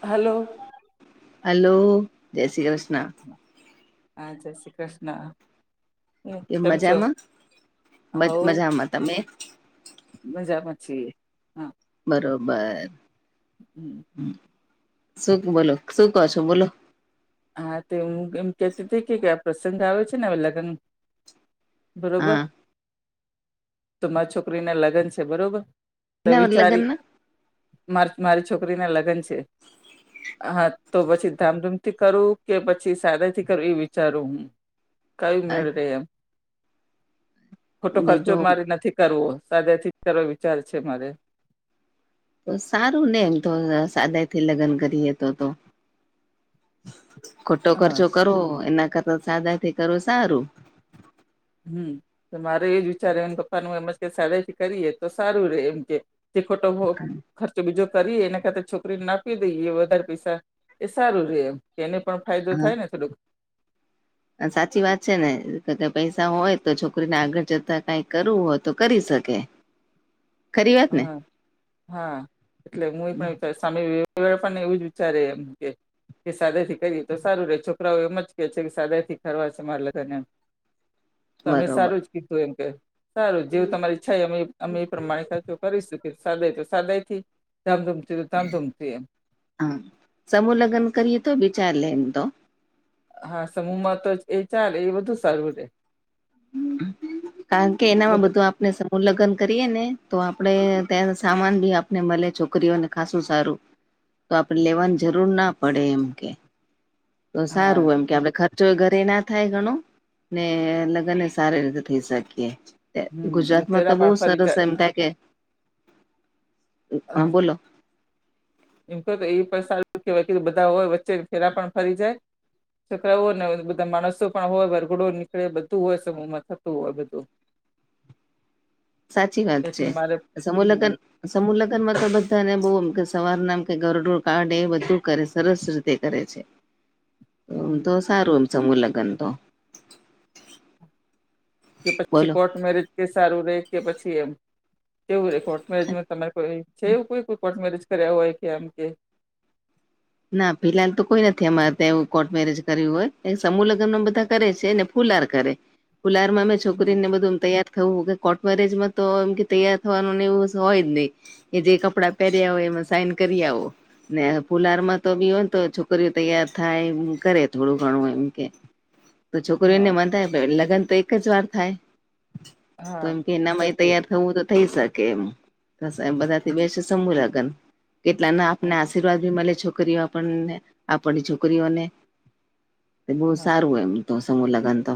Hello hello જય શ્રી કૃષ્ણ હા જય શ્રી કૃષ્ણ કેમ છો હવ માં તમે? મજામાં છીએ હા બરોબર. [inaudible] શું બોલો શું કો છો બોલો હા તે હું કેમ કેતી તી કે આ પ્રસંગ આવે છે, ને અવે લગન બરોબર હા તમાં છોકરીના લગન છે, બરોબર ત એના લગ્ન વિચારી માર્ચ મારી છોકરી ના લગન છે, હા તો પછી ધામધૂમ થી કરું કે પછી સાદે થી કરું ઇ વિચારું હું કયું ના મેળ રેય એમ ખોટો ખર્ચો જો મારે નથી કરવો સાદે થી કરવા વિચાર છે, મારે તો સારું ને એમ તો સાદેથી લગન કરીએ તો તો ખોટો હા ખર્ચો કરવો એના કરતા સાદાથી કરવુ સારું હમ તો મારે એજ વિચારેને પપ્પાનું એમજ કે શડેથી કરીએ તો સારું રે એમ કે તે ખોટો ભો ખર્ચો બીજો કરીએ એના કરતા છોકરીને આપી દઈએ વધારે પૈસા એ સારું રે એમ એને પણ ફાયદો થાય ને થોડુંક આ સાચી વાત છે, ને [unintelligible] પૈસા હોય તો છોકરીને આગળ જતા કાઈ કરવું હોય તો કરી શકે ખરી વાત ને હા હા એટલે [unintelligible] સામે [unintelligible] એવું જ વિચારે એમ કે કે સાદાયથી કરીએ તો સારું રે છોકરાઓ એમ જ કે છે, કે સાદાયથી કરવા છે, મારા લગન એમ તમે બરોબર સારું જ કીધું એમ કે સારું જેવું તમારી ઈચ્છા અમે અમે એ પ્રમાણે ખરચો કરીશુ કે સાદાય તો સાદાયથી ધામધૂમથી તો ધામધૂમથી એમ હા સમૂહ લગ્ન કરીએ તો બી ચાલે એમ તો હા સમૂહમાં તો જ એ ચાલે એ બધું સારું રે હમ કારણ કે એનામાં બધા બધું આપને સ ઉલગન કરીએ ને તો આપડે ત્યાં સામાન બી આપને મલે છોકરીઓને ખાસું સારું તો આપડે લેવાની જરૂર ના પડે એમ કે તો હા સારું એમ કે આપડે ખ ચો ઘરે ના થાય ગણો ને લગ્નને સારી રીતે થઈ શકીએ તે હમ અને ગુજરાતમાં તો ફેરા બો પણ ફરી સરસ ચાલે એમ થાય કે હ હા બોલો એમ ક તો એ પણ સારું કે બધા હોય વચ્ચે ફેરા પણ ફરી જાય છોકરાઓ ને બધા માણસો પણ હોય વરઘડો નીકળે બધું હોય સમૂહમાં થતું હોય બધું સાચી વાત છે, એટલે મારે સમુ હમ લગન સમૂહ લગ્ન માં તો બધાને બો કે સવારનામ કે ગરડોર કાડે બધું કરે સરસ રીતે કરે છે. ઓમ હમ તો સારું એમ સમુહલગન તો કે પછી બોલો કોર્ટ મેરેજ કે સારું રે કે પછી એમ કેવું રે કોર્ટ મેરેજમાં તમારે કોઈ છે, એવું કોઈ કોઈ કોર્ટ મેરેજ કર્યા હોય કે એમ કે ના ફિલાલ તો કોઈ નથી અમારે ત્યાં એવું કોર્ટ મેરેજ કર્યું હોય સમૂહ લગ્નન બધા કરે છે, ને કુલાર કરે કુલારમાં મે હમ છોકરી ને બધું તૈયાર થવું કે કોર્ટ મેરેજમાં તો એમ કે તૈયાર થવાનું ને એવું હોય જ નહી એ જે કપડા પહેર્યા હોય એમાં સાઈન કરી આવો ને પુલાર માં તો બી હોયને તો છોકરીઓ તૈયાર થાય કરે થોડું ઘણું એમ કે તો છોકરીઓને હા મંધાય લગ્ન તો એક જ વાર થાય તો હા એમ કે એનામાંય સાચી વાત. તૈયાર થવું તો થઇ શકે એમ [unintelligible] બધાથી હમ બેસી સમૂહગન કેટલાના આપને હા આશીર્વાદ ભી મલે છો કરીઓ આપને આપણની છોકરીઓને બો હા સારું એમ તો સમુહલગનતો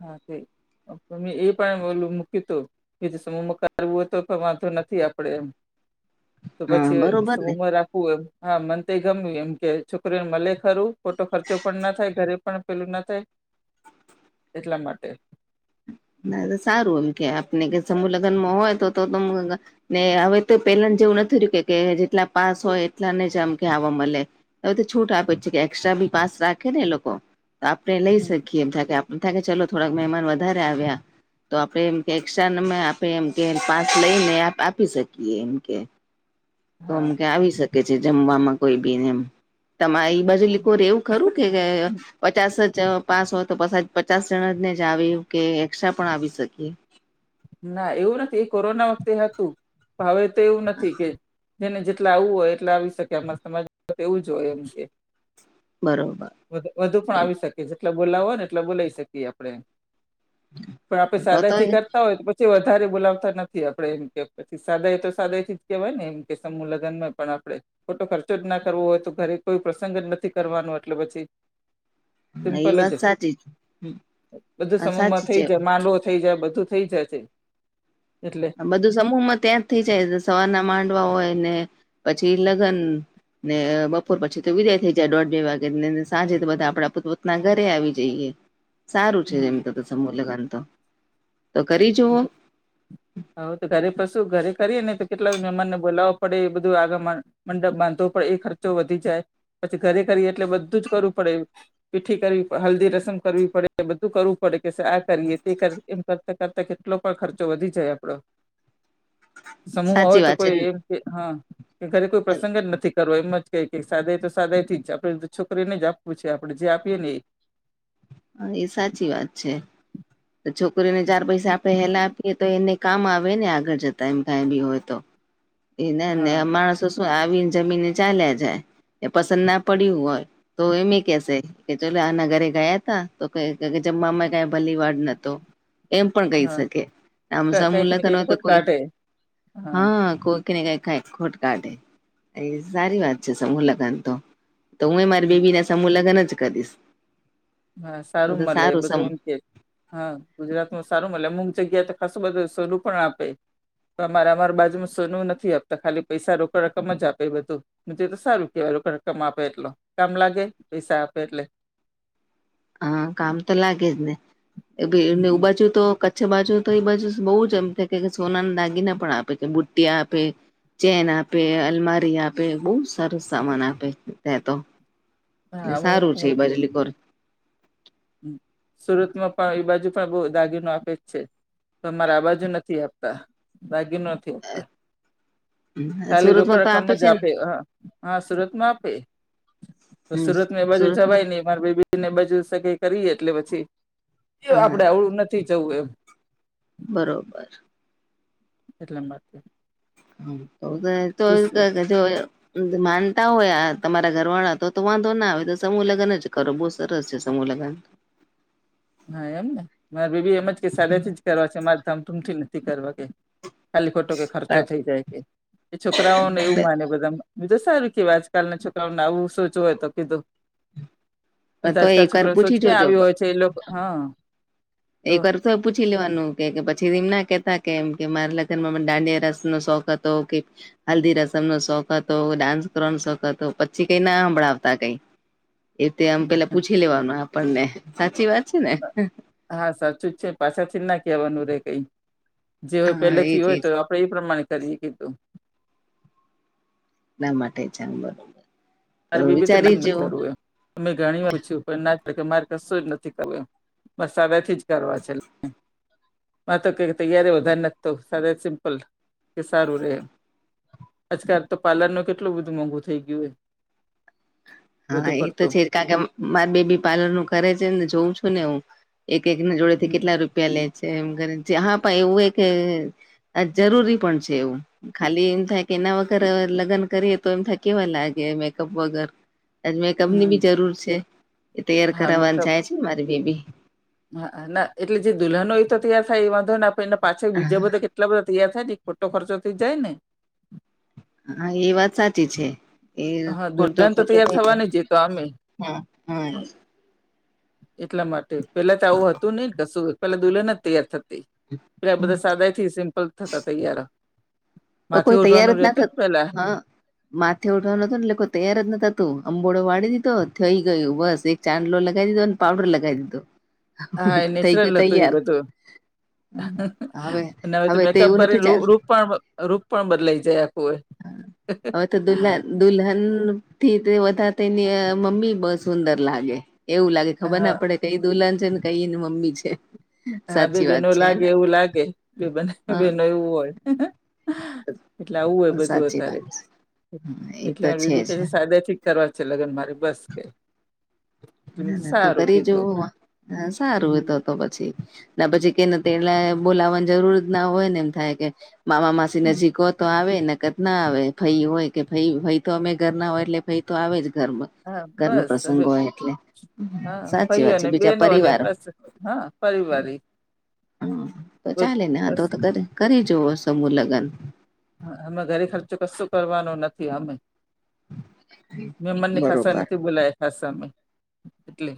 હા તે મે એ પણ ઓલ મૂક્યું હતું કે જે સમૂહમાં કરવું હોય તો પણ વાંધો નથી આપડે એમ તો હા પછી બરોબર ને સોમ રાખ હું એમ હા મનંત ગમ એમ કે છોકરીને મળે ખરુ ખોટો ખર્ચો પણ ના થાય ઘરે પણ પેલું ના થાય. એટલા માટે ના સારું એમ કે આપને કે સમૂહ લગ્નમાં હોય તો તો ત ને હવે તો પેલા જે એવું નથી રહ્યું કે જેટલા પાસ હોય એટલાને જ આમ કે આવા મળે હવે તો છૂટ આપે જ છે કે એકસ્ટ્રા બી પાસ રાખે ને એ લોકો તો આપણે લઈ હમ શકીીએ એમ થા આપ થા કે ચલો થોડાક મહેમાન વધારે આવ્યા તો આપણે એમ કે એસ્ટ્રા નં આપણે એમ કે પાંચ લઈને આપ આપી શકીએ એમ કે તો અમ હા કે આવી શકે છે જમવામાં કોઈ બીને એમ તમારી બાજુ લી રે એવું ખરું કે પચાસ પાસ હોય તો પ પચાસ જણા ને જ આવી કે એકસ્ટ્રા પણ આવી શકીએ ના એવું નથી, એ કોરોના વખતે હતું હવે તો એવું નથી કે જેને જેટલા આવું હોય, એટલા આવી શકે આમા સમાજ એવું જ હોય એમ કે બરોબર વધુ પણ એમ. આવી શકીએ જેટલા બોલાવો હોય ને એટલા બોલાવી શકીએ આપડણે પણ આપે તો સાદા તો શિકર પછી વધારે બોલાવતા નથી આપડે એમ કે પછી સાદા એ તો સાદા એ થી જ કેહેવાય ને એમ કે સમૂહ લગ્નમા પણ આપણે ખોટો ખર્ચો જ ના કરવો હોય, તો ઘરે કોઈ પ્રસંગ જ નથી કરવાનો એટલે પછી. હા એ સિમ્પલ જ વાત સાચી છે. હમ્મ. બધું આ સમૂહમાં સાચી છે થઈ જાય મા થઈ જાય બધું થઈ જાય છે, એટલે આ બધું સમૂહ માં ત્યાં જ થઇ જાય સવારના માંડવા હોય ને પછી લગ્ન ને બપોર પછી તો વિદાય થઈ જાય દોઢ બે વાગે સાંજે તો બધા આપડા પોતપ પોોતના ઘરે આવી જઈએ સારું છે, જેમ તો સમૂહ લગન તો તો કરી જુઓ હ તો ઘરે પશું ઘરે કરીએ ને તો કેટલા મહેમાનને બોલાવવા પડે એ બધું આગમન મંડપ બાંધવો પડે એ ખર્ચો વધી જાય, પછી ઘરે કરીએ એટલે બધું જ કરવું પડે પીઠી કરવીડ હલ્દી રસમ કરવી પડે બધું કરવું પડે કે આ કરીએ તે કરવી એમ કરતા કરતા કેટલો પણ ખર્ચો વધી જાય આપડો સમૂહમાં સાચી હોય તો વાત છે. કોઈ એમ કે હ કે ઘરે કોઈ પ્રસંગ જ નથી કરવો એમમા ક ક સાદાય તો સાદાય થી જ આપડે છોકરીને જ આપવું છે આપડણે જે આપીએ ને એ હા એ સાચી વાત છે. છોકરીને ચાર પૈસા આપણેે હેલા આપીએ તો એને કામ આવે ને આગળ જતા એમ કંઈ બી હોય, તો એ ના ને હા માણસો શું આવી જમીન ચાલ્યા જાય એ પસંદ ના પડ્યું હોય. તો એમે કેસે કે ચલો આ ન ઘરે ગયા તા તો જમવામાં કઈ ભલી વાડ નતો એમ પણ કહી હા શકે આમ સા કંઈક ને મુલાખન કંઈક હોય તો ખોટ કોઈ કાઢે હા કોઈ કેને કઈ કઈ ખોટ કાઢે એ સારી વાત છે સમૂહ લગન તો તો હુ એ મારી હમ બેબી ના સમૂહ લગ્ન જ કરીશ હા તો સારુ તો મળે એ સારું સમ બધું એમ કે હા ગુજરાતમાં સારું મળે અમુક જગ્યાએ તો ખાસું બધું સરું પણ આપે અમારે અમારા બાજુમાં સોનુ નથી આપતા ખાલી પૈસા રોકડ રકમ જ આપે એ બધુ મુજ તો સારું કેવાયલ રકમ આપે એટલો કામ લાગે પૈસા આપે એટલે હા કામ તો લાગે જ નેને હમ બાજુ તો છા બાજુ તો એ બાજુ બહુ જ એમ થ કે સોનાને દાગીને પણ આપે છે, બુટ્ટિયા આપે ચેન આપે અલમારી આપે બહુ સારું સામાન આપે તતો હા એલે અમુક અમુક સારું છે, અમુક બાજલીખોર સુરતમાં પણ એ બાજુ પણ બહ દાગીનો આપે જ છે. તો અમારે અવાજુ નથી આપતા બાકી ન ખાલી સુરતમાં રોકડ તો રકમજ છે ને આપે હ હા સુરતમાં આપે તો હમ સુરત માં એ બાજુ સુરતમાં જવાય ને માર બેબી ને ઈ બાજુ સગાઈ કરી એટલે પછી એ હા આપડે આવડું નથી જવું એમ બરોબર એટલા માં હ તો [unintelligible] માનતા હોય આ તમારા ઘર વાળા તો તો વાંધો ના આવે તો સમૂહ લગન જ કરો બહુ સરસ છે સમૂહ લગ્ન હા એમ ને મારે બેબી એમજ કે સાદાય થી જ કરવા છે મારે ધમધૂમથી નથી કરવા કે ખાલીખોટો કે ખર્ચો થઈ જાય કે એ છોકરાઓને એવું માને બધા બીધું સારું કેવા આજકાલના છોકરાઓને આવું સોચવું હોય તો કીધું હમ તો આજકાલ છોકરાને સોચ ક્યાં આવી હોય છે એ લોકો હ એ કર તોય પૂછી લેવાનું કે કે પછી એમના કેતા કેમ કે મારા લગ્નમાં દાંડિયા રસ નો શોખ હતો કે હલ્દી રસમ નો શોખ હતો, ડાન્સ કરવાનો શોખ હતો પછી કઈ ના સાંભળાવતા કઈ એ તે આમ પેલા પૂછી લેવાનું આપણને સાચી વાત છે ને હા સાચું જ છે પાછળ થી ના કહેવાનું રે કઈ જે હોય હા પેલે થી એજ હોય એજ તો એ પ્રમાણે કરીએ કીધું ના માટે [unintelligible] મારી બેબી તો ન વિચારી નથી જેવું કરવું એમ અમે ઘણી પૂછિયું ના કે મારે કશું જ નથી કરવુ એમ મારે સદાયથી જ કરવા છે તો ક તૈયારી વધારે નથી તો સિમ્પલ કે સારું રે આજકાલ તો પાલૅર નું કેટલું બધું મોંઘુ થઇ ગયું હો હા એ તો છે જ કારકે મારે બેબી પાર્લર નું કરે છે ને જોઉં છું ને હું એક એક ના જોડે થી હમ કેટલા રૂપિયા લે છે એમ જહા પ એવું એક આ જરૂરી પણ છે એવું ખાલી એમ થાય કે એના વગર લગ્ન કરીએ તો એમ થાય કેવા લાગે મેકઅપ વગર આજ મેંકપમની હમ બી જરૂર છે એ તૈયાર હા કરાવવાને મેકઅપ જાય છે મારી બેબી હા ના એટલે જે દુલ્હનો તો તૈયાર થાય એ વાંધો નેે એ પાછળ બીજા બધા કેટલા બધા તૈયાર થાય ને ખોટો ખર્ચ થઈ જાય ને હા એ વાત સાચી છે એ હા ખોટો દુલ્હન તો ખચૉ તૈયાર થઈ જાય. થવાની જ એ તો આમે હા હા એટલા માટે પેલા તો આવું હતું નઈને કશું પેલા દુલ્ન જ તૈયાર થતી પેલા બધા સાદાયથી સિમ્પલ થતા તૈયાર, તો માથે કોઈ તૈયાર ઓઢવાનું જ ના રહેતું થત ને પેલા હા માથે ઉઢવાનું નતું નેટ લોકો તૈયાર જ નતો તું અંબોડો વાળી દીધો થઈ ગયું બ ચાંદલો લગાવ દીધો અને પાવડર લગાવ દીધો હા એ થઈ ગયો નેચરલ હતું એ તૈયાર બધું હવે અને હવે તો મેકઅપ એવું નથી કરીને ચાલ રૂપ રૂપ રૂપ પણ બદલાઈ જાય આખું હવે તો દુલ્હન દુલ્હન થી તે વધારે તેની મમ્મી બ સુંદર લાગે એવું લાગે ખબર ના હા પડે કઈ દુલ્હન છે ને કઈની મમ્મી છે. હા બે સાચી વાત બહેનો છે લાગે ને એવું લાગે બન્ને બેનો હા એવું હોય. એટલે આવું હોય બધું સાચી અતારે વાત એ એટલે તો છે જ [unintelligible] સાદાયથી- કરવા છે લગ્ન મારે બસ કેઈ ના ના તો કરી કીધું જવું સારું તો હમ તો પછી ના પછી કેને તેલા બોલાવવાની જરૂર ના હોય ને એમ થાય કે મામા મા નજીક હો તો આવે નકર ના આવે ફઈ હોય કે ફઈ ફઈ તો અમે ઘર ના હોય એટલે ફઈ તો આવે જ ઘરમાં હા ઘર નો બસ પ્રસંગ હવે હોય એટલે સાચી વાત છે બીજા પરિવાર સ હા પરીવારી હમ તો ચાલે ને હા તો તો કરી જવો સમૂહ લગન હ અમે ઘરે ખર્ચો કશું કરવાનો નથી અમે મેં મનને ખાસ બરોબર નથી બોલાય. હસામે એટલે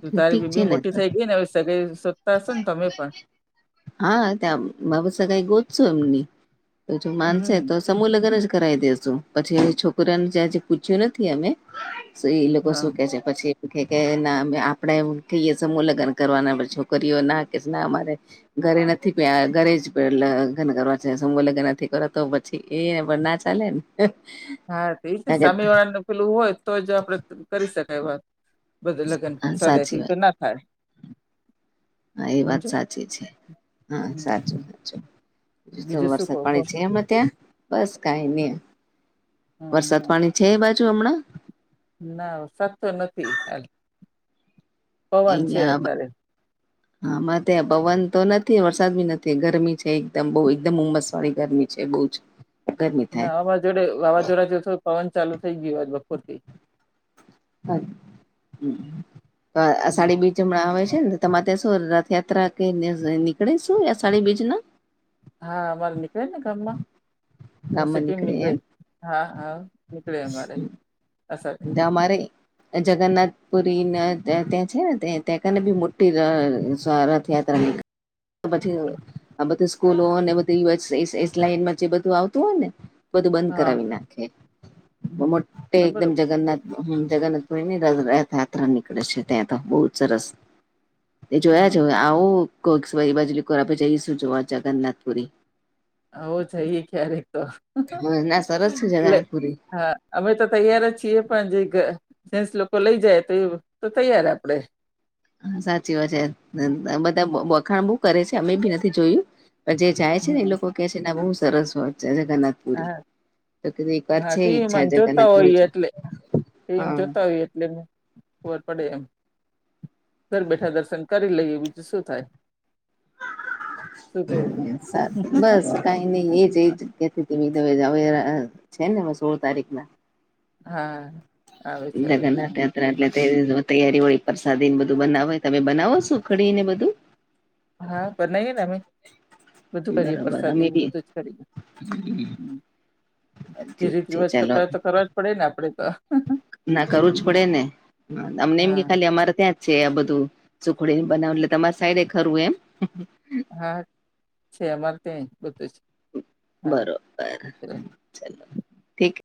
તું તારી ઠીક છે બીબી ને મોટી તો થઈ ગઈ ને હવે સગા શોધતા હશો ને તમે પણ હા ત બાબ સગાઈ ગોતસુ એમની તો જો માનસે હમ તો સમૂહ લગન જ કરાવી દેસુ પછી છોકરાને જ્યાં પૂછ્યું નથી અમે શું એ લોકો હા શું કે છે પછી એ કે આપડે એમ કહીએ સમૂહ લગ્ન કરવાના છોકરીઓ ના કે ના અમારે ઘરે નથી પ ઘરે [unintelligible] લન કરવા છે સમ લન નથી કરવા તો પછી એ ના ચાલે ને હ હા તો એ છે સામે વાળા નું પેલું હોય તો જ આપડે કરી શકાય વાત બધું લગન હા સાચી સદાયથી તો વાત ના થાય હા એ વાત સમજો સાચી છે હા હમ. સાચું સાચું. બીજું શું વરસાદ કહો પાડે કહો છે એમ ત્યાં બસ કઈ નહી હમ વરસાદ પાણી છે એ બાજુ હમણાં ના વરસાદ તો નથી આજ અહીયા હામના તો પવન તો નથી વરસાદ બી નથી ગરમી છે એકદમ બહુ એકદમ ઉમસ વાળી ગરમી છે બહુ જ ગરમી ના થાય વાવાઝોડે વાવાઝોડા જે પવન ચાલુ થઈ ગયો બપોરથી હ તો હમ. સાડી બી. જમણા આવે છે ને તમારે તેસું રથયાત્રા કે નીકળીશું સાડી બીજ ના. હા અમારે નીકળેને ગામમાં ગામમાં સિટીગ નીકળે એમ હા હા. નીકળે અમારે અસર અમારે જગન્નાથ પુરી ત્યાં છે ને તંને બી મોટી રથયાત્રા નીકળ પછી આ બધુ સ્કૂલો અને બઘી એસ એસ લાઈનમાં જે બધું આવતું હોય ને. બધું બંધ હા કરાવી નાખે હમ મોટે ના એકદમ બરોબર જગન્નાથ હમ જગન્નાથપ ની રથયાત્રા નીકળે છે ત્યાં તો બહુ જ સરસ. એ હા જોવાછે આવું કોઈક બાજુરીરા [unintelligible] શું જોવા જગન્નાથપુરી. અવે જઈએ ક્યારેક હ ના સરસ છે લે જગન્નાથપુરી હ અમે તો તૈયાર જ છીએ પણ જેસ લોકો લઈ જાય તો એ તો તૈયાર આપડે હા સાચી વાત છે બધા વખાણ બો કરે છે અમે બી નથી જોયું જે જાય છે ને એ હમ લોકો કે છે એના બહુ સરસ હોય જગન્નાથપુરી. હા તો કીધું એક વાર હા છે ટીમ ઈચ્છા જોતા જગન્નાથપુરી હોઈ જો એટલે ટીમ હા જોતા હોય એટલે. ખબર પડે એમ. ઘર બેઠા દર્શન કરી લઈએ બીજું શું થાય. શું કેવું સારું બસ કઈ નહી એજ એ જ્યા. [unintelligible] છે ને સોળ તારીખ ના. હા. આવે છે હવે જગન્નાથ યાત્રા એટલે તે. તૈયારી હોય પરસાદીને બધું બનાવે તમે બનાવો શો ખડીને બધું. હા બનાવીયે ને અમે બધું કરીએ બરોબર અમે પ્રસાદીને બી બધું જ કરીએ હ. જે ઠીક રીત છે રિવાત ચાલો કરતા તો કરવા જ પડે ને આપડે તો. ના કરવું જ હમ પડે ને અમને એમ કે હા ખાલી અમારે ત્યાં છે આ બધું સુખડી બનાવ એટલે તમારે સાઈડે ખરુ એમ. હા છે અમારે ત્યાં બધું છે. બરોબર ચાલ ઠીક.